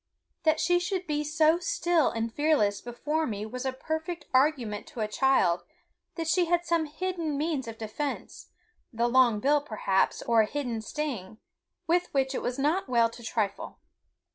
That she should be so still and fearless before me was a perfect argument to a child that she had some hidden means of defense the long bill, perhaps, or a hidden sting with which it was not well to trifle.